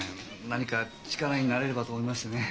何か力になれればと思いましてね。